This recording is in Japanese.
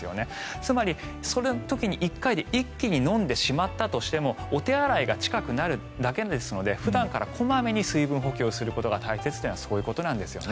つまり、その時１回で一気に飲んでしまったとしてもお手洗いが近くなるだけですので普段から小まめに水分補給をするのが大切というのはそういうことなんですよね。